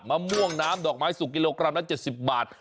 มะม่วงน้ำดอกไม้สุกกิโลกรัมละ๗๐บาท